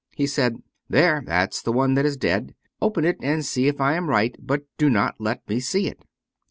He said, " There, that's the one that is dead. Open it and see if I am right, but do not let me see it.